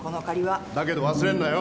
だけど忘れんなよ。